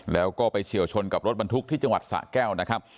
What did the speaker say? แล้วก็ไปเฉียวชนกับรถบรรทุกที่จังหวัดสะแก้วนะครับ